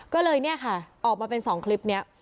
ก็เลยเนี่ยค่ะออกมาเป็น๒คลิปนี้